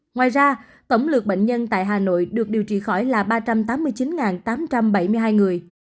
ngoài ra tổng lượt bệnh nhân tại hà nội được điều trị khỏi là ba trăm tám mươi chín tám trăm bảy mươi hai người